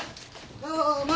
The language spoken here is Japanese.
どうも。